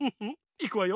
いくわよ。